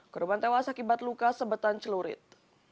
korban tewas akibat luka sebetan celurit